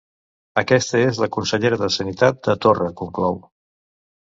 Aquesta és la consellera de sanitat de Torra, conclou.